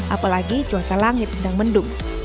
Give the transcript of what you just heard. apalagi cuaca langit sedang mendung